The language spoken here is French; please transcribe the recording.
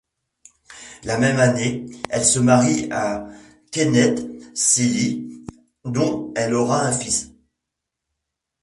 La même année, elle se marie à Kenneth Seely, dont elle aura un fils.